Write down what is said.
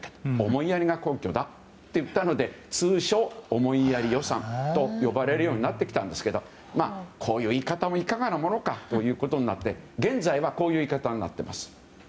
思いやりが根拠だと言ったので通称、思いやり予算と呼ばれるようになったんですけどこういう言い方もいかがなものかということで現在はこういう言い方になっています。